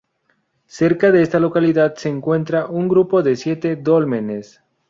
Cerca de esta localidad se encuentra un grupo de siete dólmenes.